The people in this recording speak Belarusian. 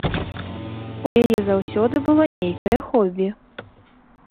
У яе заўсёды было нейкае хобі.